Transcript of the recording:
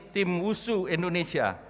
tim usuh indonesia